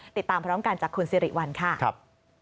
ติดตามพร้อมกันจากคุณสิริวัลค่ะ